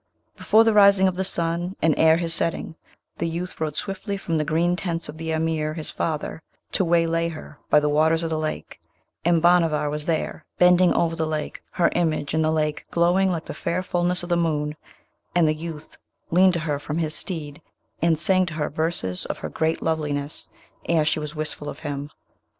Before the rising of the sun, and ere his setting, the youth rode swiftly from the green tents of the Emir his father, to waylay her by the waters of the lake; and Bhanavar was there, bending over the lake, her image in the lake glowing like the fair fulness of the moon; and the youth leaned to her from his steed, and sang to her verses of her great loveliness ere she was wistful of him.